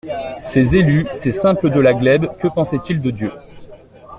Ces élus, ces simples de la glèbe que pensaient-ils de Dieu?